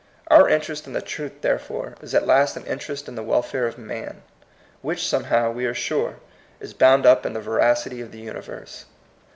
Our interest in the truth, therefore, is at last an interest in the welfare of man; which somehow, we are sure, is bound up in the veracity of the universe.